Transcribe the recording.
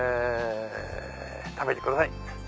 食べてください。